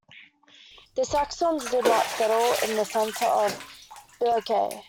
The Saxons did not settle in the centre of Billericay.